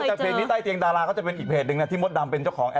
แต่เพจนี้ใต้เตียงดาราก็จะเป็นอีกเพจหนึ่งนะที่มดดำเป็นเจ้าของ